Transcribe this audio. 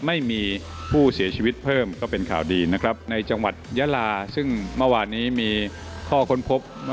ไม่มีผู้เสียชีวิตเพิ่มก็เป็นข่าวดีนะครับในจังหวัดยาลาซึ่งเมื่อวานนี้มีข้อค้นพบ